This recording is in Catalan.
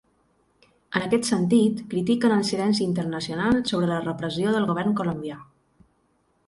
En aquest sentit, critiquen el silenci internacional sobre la repressió del govern colombià.